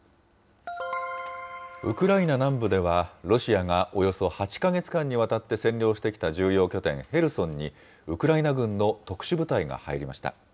ウクライナ南部では、ロシアがおよそ８か月間にわたって占領してきた重要拠点、ヘルソンに、ウクライナ軍の特殊部隊が入りました。